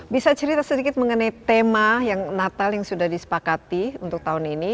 bisa cerita sedikit mengenai tema yang natal yang sudah disepakati untuk tahun ini